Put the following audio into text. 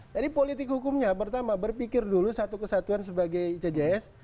jadi politik hukumnya pertama berpikir dulu satu kesatuan sebagai icjs